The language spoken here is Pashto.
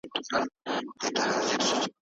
د رڼا ګــانــــــــو د لاس ور مــــات كـــــــــړی